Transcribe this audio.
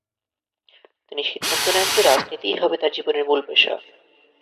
তিনি সিদ্ধান্ত নেন যে রাজনীতিই হবে তার জীবনের মূল পেশা।